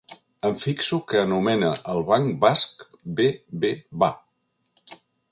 Em fixo que anomena el banc basc bé bé va.